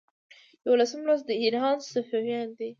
یوولسم لوست د ایران صفویان دي.